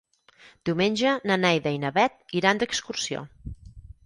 Diumenge na Neida i na Bet iran d'excursió.